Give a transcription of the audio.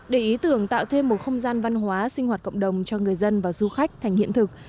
để ý tưởng tạo thêm một không gian văn hóa sinh hoạt cộng đồng cho người dân và du khách thành hiện thực